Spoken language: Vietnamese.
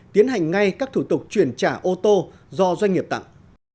tiến hành ngay các thủ tục chuyển trả ô tô do doanh nghiệp tặng